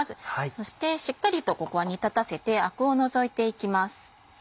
そしてしっかりとここは煮立たせてアクを除いていきます。